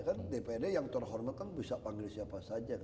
kan dpd yang terhormat kan bisa panggil siapa saja